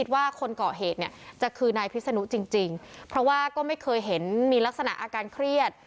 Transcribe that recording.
ว่าคนเกาะเหตุเนี่ยจะคือนายพิษนุจริงเพราะว่าก็ไม่เคยเห็นมีลักษณะอาการเครียด